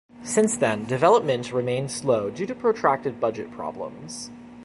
Since then, development remained slow due to protracted budget problems.